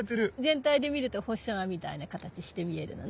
全体で見るとお星様みたいな形して見えるのね。